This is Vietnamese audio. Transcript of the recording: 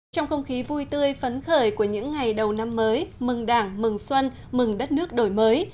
trong không khí vui tươi phấn khởi của những ngày đầu năm mới mừng đảng mừng xuân mừng đất nước đổi mới